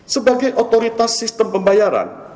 sebagai otoritas sistem pembayaran